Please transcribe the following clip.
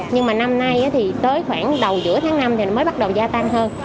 nhưng mà năm nay thì tới khoảng đầu giữa tháng năm thì mới bắt đầu gia tăng hơn